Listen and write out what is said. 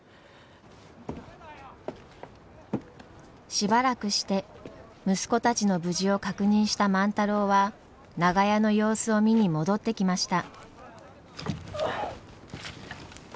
しばらくして息子たちの無事を確認した万太郎は長屋の様子を見に戻ってきました。